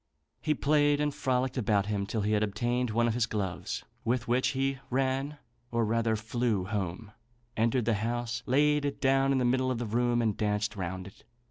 He played and frolicked about him till he had obtained one of his gloves, with which he ran or rather flew home, entered the house, laid it down in the middle of the room, and danced round it.